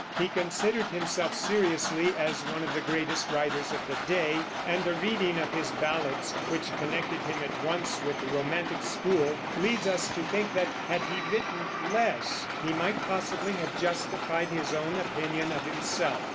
He considered himself seriously as one of the greatest writers of the day, and a reading of his ballads which connected him at once with the romantic school leads us to think that, had he written less, he might possibly have justified his own opinion of himself.